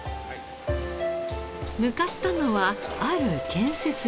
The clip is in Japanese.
向かったのはある建設現場。